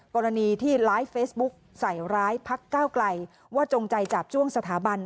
กรณีที่ไลฟ์เฟซบุ๊กใส่ร้ายพักก้าวไกลว่าจงใจจาบจ้วงสถาบัน